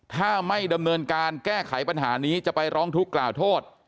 ถ้าไม่ดำเนินการแก้ไขปัญหานี้จะไปร้องทุกข์กล่าวโทษ